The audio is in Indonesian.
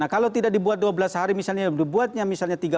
kalau tidak dibuat dua belas hari misalnya